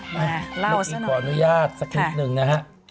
มาเล่าซะหน่อยค่ะมากอีกขออนุญาตสักคริบส์หนึ่งนะฮะ